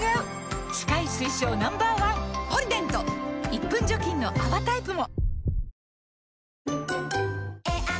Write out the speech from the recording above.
１分除菌の泡タイプも！